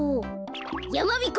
やまびこ